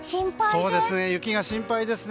そうですね、雪が心配ですね。